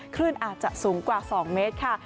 คลื่นอาจจะสูงกว่า๒เมตรค่ะ